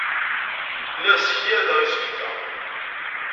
Lliɣ ssekyadeɣ isefka.